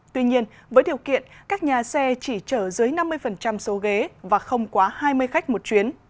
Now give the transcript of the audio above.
tuy nhiên với điều kiện các nhà xe chỉ chở dưới năm mươi số ghế và không quá hai mươi khách một chuyến